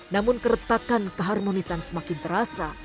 namun keretakan keharmonisan semakin terasa